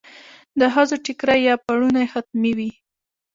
د ښځو ټیکری یا پړونی حتمي وي.